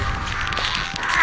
ああ！